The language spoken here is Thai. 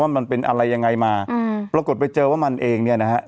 มันเป็นอะไรยังไงมาอืมปรากฏไปเจอว่ามันเองเนี่ยนะฮะ